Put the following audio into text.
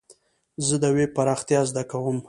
زه د ويب پراختيا زده کوم.